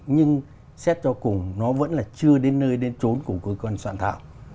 nhưng xét cho cùng nó vẫn là chưa đến nơi đến trốn của cơ quan soạn thảo